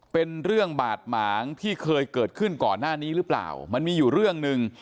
เป็นเรื่องบาดหมางที่เคยเกิดขึ้นก่อนหน้านี้หรือเปล่ามันมีอยู่เรื่องหนึ่ง